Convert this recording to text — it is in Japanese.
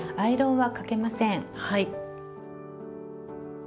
はい。